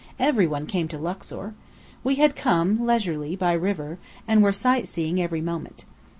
Every one came to Luxor. We had come, leisurely, by river, and were sightseeing every moment.